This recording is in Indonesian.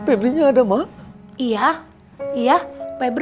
enggak gak apa apa